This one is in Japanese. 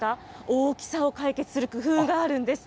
大きさを解決する工夫があるんです。